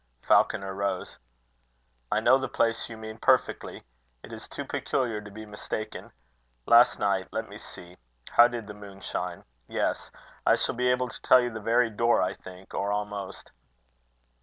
Falconer rose. "I know the place you mean perfectly," he said. "It is too peculiar to be mistaken. Last night, let me see, how did the moon shine? Yes. I shall be able to tell the very door, I think, or almost."